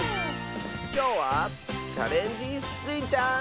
きょうは「チャレンジスイちゃん」！